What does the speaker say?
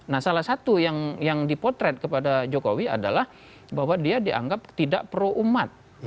nah salah satu yang dipotret kepada jokowi adalah bahwa dia dianggap tidak pro umat